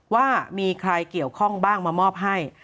ว่ามีใครเกี่ยวข้องบ้างมามอบให้